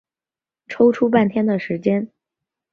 抽出半天的时间